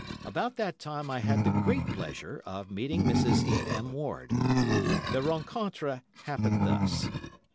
About that time I had the great pleasure of meeting Mrs. E. M. Ward. The rencontre happened thus.